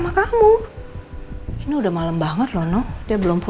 aku ke kamar dulu